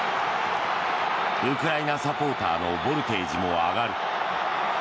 ウクライナサポーターのボルテージも上がる。